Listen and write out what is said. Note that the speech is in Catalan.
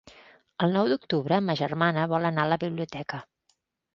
El nou d'octubre ma germana vol anar a la biblioteca.